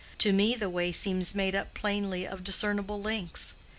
To me the way seems made up of plainly discernible links.